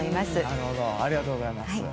ありがとうございます。